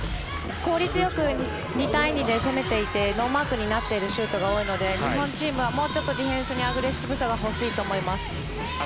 効率よく２対２で攻めていてノーマークになっているシュートが多いので日本チームはもうちょっとディフェンスにアグレッシブさが欲しいと思います。